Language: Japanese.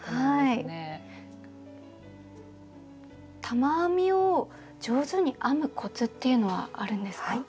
玉編みを上手に編むコツっていうのはあるんですか？